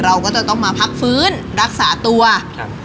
เราก็จะต้องมาพักฟื้นรักษาตัวครับ